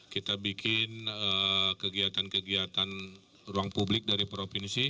kita bikin kegiatan kegiatan ruang publik dari provinsi